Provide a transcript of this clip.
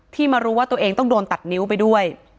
มารู้ว่าตัวเองต้องโดนตัดนิ้วไปด้วย